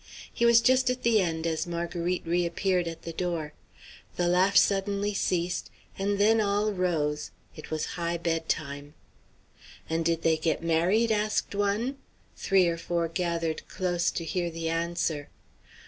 He was just at the end as Marguerite re appeared at the door. The laugh suddenly ceased, and then all rose; it was high bedtime. "And did they get married?" asked one. Three or four gathered close to hear the answer.